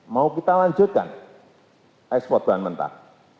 mau kita lanjutkan ekspor bahan mentah